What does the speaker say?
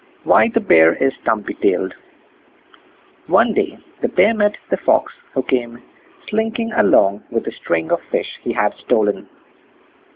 WHY THE BEAR IS STUMPY TAILED One day the Bear met the Fox, who came slinking along with a string of fish he had stolen.